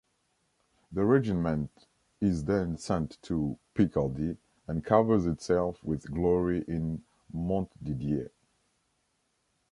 The regiment is then send to Picardy and covers itself with glory in Montdidier.